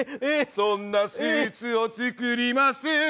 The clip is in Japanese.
そんなスーツをつくります